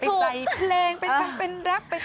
ไปใส่เพลงไปทำเป็นรับ